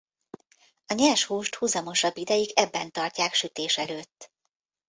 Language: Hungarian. A nyers húst huzamosabb ideig ebben tartják sütés előtt.